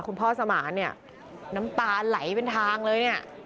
คุณพ่อสมานเนี่ยน้ำตาไหลเป็นทางเลยเนี่ย